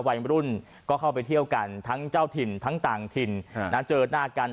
วัยรุ่นก็เข้าไปเที่ยวกันทั้งเจ้าถิ่นทั้งต่างถิ่นเจอหน้ากัน